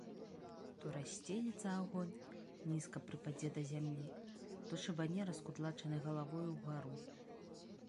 То рассцелецца агонь, нізка прыпадзе да зямлі, то шыбане раскудлачанай галавою ўгару.